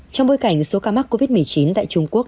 trong bối cảnh số ca mắc covid một mươi chín tại trung quốc